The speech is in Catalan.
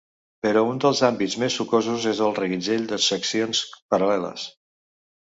Però un dels àmbits més sucosos és el reguitzell de seccions paral·leles.